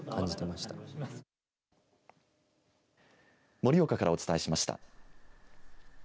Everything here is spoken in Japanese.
盛岡からお伝えしました。